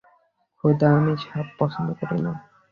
খোদা, আমি সাপ পছন্দ করি না।